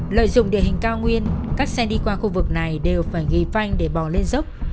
lợi dụng địa hình cao nguyên các xe đi qua khu vực này đều phải ghi phanh để bỏ lên dốc